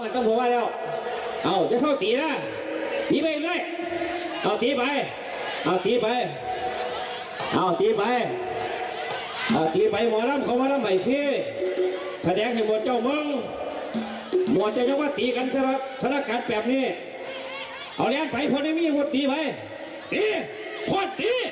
ขวดตีหรือไปขวด